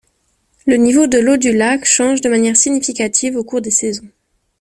Le niveau de l'eau du lac change de manière significative au cours des saisons.